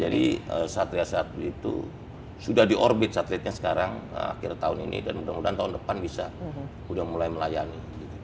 jadi satria saat itu sudah di orbit satelitnya sekarang akhir tahun ini dan mudah mudahan tahun depan bisa udah mulai melayani